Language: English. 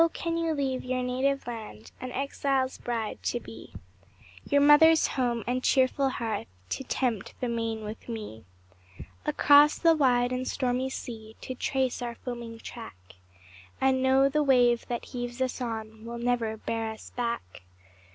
can you leave your native land An exile's bride to be; Your mother's home, and cheerful hearth, To tempt the main with me; Across the wide and stormy sea To trace our foaming track, And know the wave that heaves us on Will never bear us back?